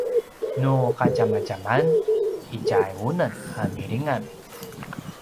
nu kadjamadjaman itja unem a milingan